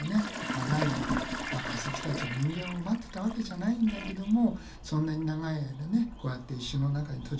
長い間化石たちは人間を待ってたわけじゃないんだけどもそんなに長い間ねこうやって石の中に閉じ込められていたならば